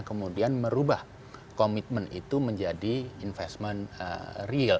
kemudian merubah komitmen itu menjadi investment real jadi ada begitu banyak hal yang apa yang bisa kita lihat di sini